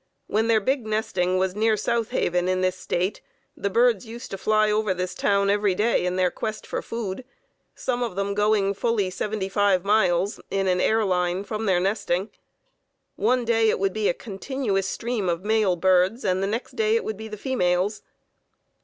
When their big nesting was near South Haven in this State, the birds used to fly over this town every day in their quest for food, some of them going fully seventy five miles in an air line from their nesting. One day it would be a continuous stream of male birds and the next day it would be the females.